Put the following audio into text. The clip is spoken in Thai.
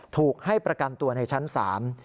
ถูกให้ประกันตัวในชั้นศาล